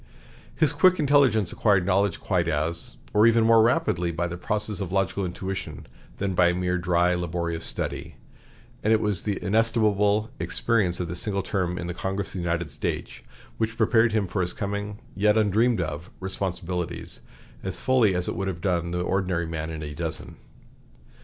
His quick intelligence acquired knowledge quite as, or even more, rapidly by process of logical intuition than by mere dry, laborious study; and it was the inestimable experience of this single term in the Congress of the United States which prepared him for his coming, yet undreamed of, responsibilities, as fully as it would have done the ordinary man in a dozen.